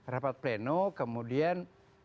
rapat pleno kemudian